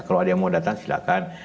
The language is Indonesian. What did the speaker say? kalau ada yang mau datang silahkan